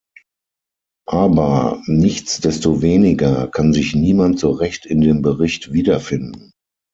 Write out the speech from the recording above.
Aber nichtsdestoweniger kann sich niemand so recht in dem Bericht wiederfinden.